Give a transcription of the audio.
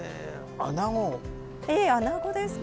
えっアナゴですか？